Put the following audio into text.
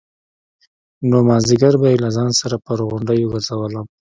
نو مازديگر به يې له ځان سره پر غونډيو گرځولم.